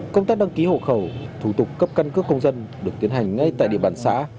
công tác đăng ký hộ khẩu thủ tục cấp căn cước công dân được tiến hành ngay tại địa bàn xã